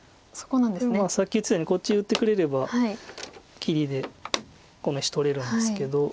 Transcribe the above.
これさっき言ってたようにこっち打ってくれれば切りでこの石取れるんですけど。